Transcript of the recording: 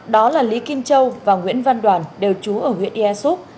đó là lý kim châu và nguyễn văn đoàn đều trú ở huyện yè xúc